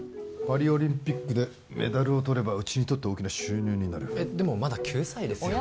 パリオリンピックでメダルをとればうちにとって大きな収入になるえっでもまだ９歳ですよ